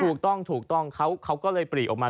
ถูกต้องถูกต้องเขาก็เลยปรีออกมา